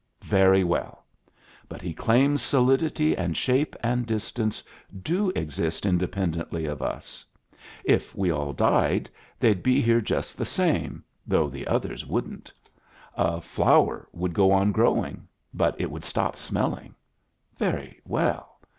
Very well. But he claims solidity and shape and distance do exist independently of us. If we all died, they'd he here just the same, though the others wouldn't. A flower would go on growing, but it would stop smelling. Very well.